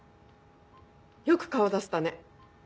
よく顔出せたね。